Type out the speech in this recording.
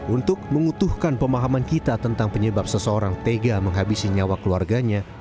untuk mengutuhkan pemahaman kita tentang penyebab seseorang tega menghabisi nyawa keluarganya